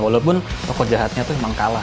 walaupun toko jahatnya itu memang kalah